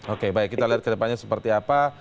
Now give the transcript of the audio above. oke baik kita lihat kedepannya seperti apa